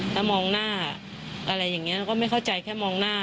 ถ้ามองหน้าอะไรอย่างนี้เราก็ไม่เข้าใจแค่มองหน้า